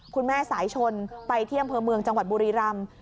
แม่สายชนไปที่อำเภอเมืองจังหวัดบุรีรำ